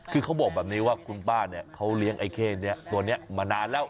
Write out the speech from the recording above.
คือเขาบอกแบบนี้ว่าคุณป้าเนี่ยเขาเลี้ยงไอ้เข้นี้ตัวนี้มานานแล้ว